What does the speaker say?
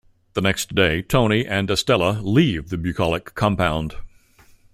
The next day Tony and Estella leave the bucolic compound.